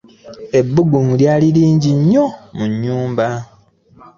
Ebbugumu lyali lingi nnyo mu nnyumba.